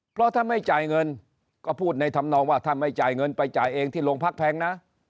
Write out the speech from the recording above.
เพราะถ้าไม่จ่ายเงินก็พูดในธรรมนองว่าถ้าไม่จ่ายเงินไปจ่ายเองที่โรงพักแพงนะ